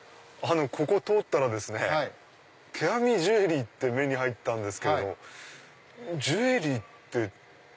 ここ通ったら「手編みジュエリー」目に入ったんですけどジュエリーって。